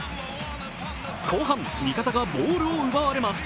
後半、味方がボールを奪われます。